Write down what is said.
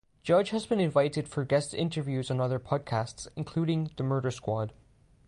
Judge has been invited for guest interviews on other podcasts including "The Murder Squad".